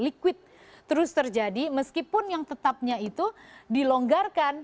liquid terus terjadi meskipun yang tetapnya itu dilonggarkan